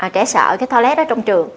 trẻ sợ cái toilet đó trong trường